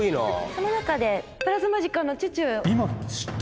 この中でプラズマジカのチュチュ。